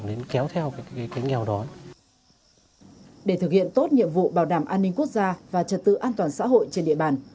để thực hiện tốt nhiệm vụ bảo đảm an ninh quốc gia và trật tự an toàn xã hội trên địa bàn